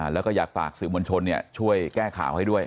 แล้วก็อยากฝากสื่อมวลชนช่วยแก้ข่าวให้ด้วย